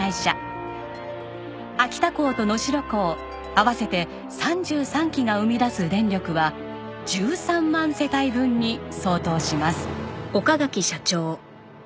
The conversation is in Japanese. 秋田港と能代港合わせて３３基が生み出す電力は１３万世帯分に相当します。